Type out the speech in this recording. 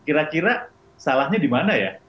kira kira salahnya di mana ya